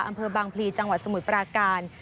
อำเภอบางพลีจังหวัดสมุทรปราการ